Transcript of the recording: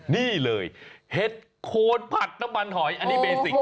นี่เลยเห็ดโคนผัดน้ำมันหอยอันนี้เบสิกนะ